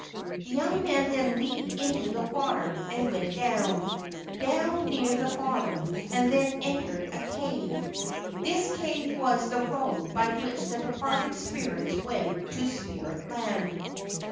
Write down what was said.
The young man then leaped into the water and went down, down near the bottom, and then entered a cave. This cave was the road by which the departed spirits went to spirit land.